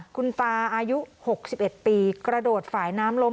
คุณตาอายุ๖๑ปีกระโดดฝ่ายน้ำล้ม